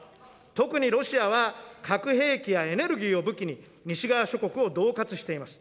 特にロシアは、核兵器やエネルギーを武器に、西側諸国をどう喝しています。